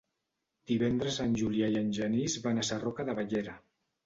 Divendres en Julià i en Genís van a Sarroca de Bellera.